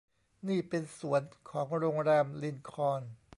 นี่เป็นสวนของโรงแรมลินคอล์น